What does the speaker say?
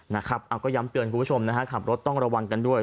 นะครับเอาก็ย้ำเตือนคุณผู้ชมนะฮะขับรถต้องระวังกันด้วย